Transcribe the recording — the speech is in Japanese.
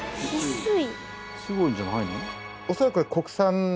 すごいんじゃないの？